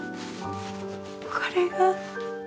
これが恋？